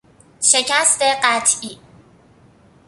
شکست قطعی